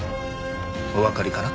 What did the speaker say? おわかりかな？